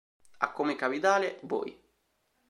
Ha come capitale Voi.